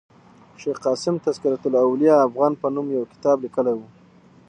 شېخ قاسم تذکرة الاولياء افغان په نوم یو کتاب لیکلی ؤ.